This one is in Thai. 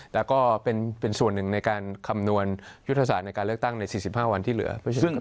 แล้วก็เป็นส่วนหนึ่งในการคำนวณยุทธศาสตร์ในการเลือกตั้งใน๔๕วันที่เหลือ